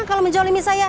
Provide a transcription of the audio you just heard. kalau menjolimi saya